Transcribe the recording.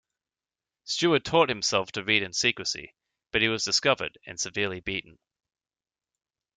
Steward taught himself to read in secrecy, but he was discovered and severely beaten.